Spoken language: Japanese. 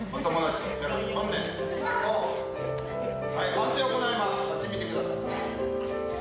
判定を行います。